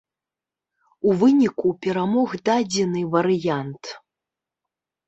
У выніку перамог дадзены варыянт.